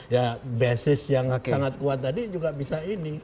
ya basis yang sangat kuat tadi juga bisa ini